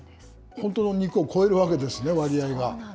本当の肉を超えるわけですね、割合が。